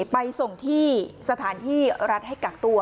ไปส่งที่สถานที่รัฐให้กักตัว